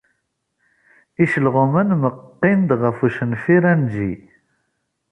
Icelɣumen meqqin-d ɣef ucenfir anǧi.